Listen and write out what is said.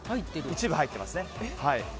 一部入ってますね。